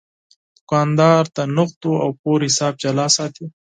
دوکاندار د نغدو او پور حساب جلا ساتي.